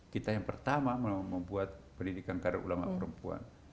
kita yang pertama membuat pendidikan kader ulama perempuan